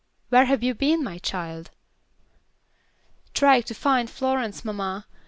Where have you been, my child?" "Trying to find Florence, mamma.